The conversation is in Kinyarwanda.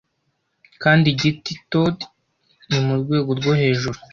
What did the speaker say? Kandi igiti-toad ni murwego rwo hejuru,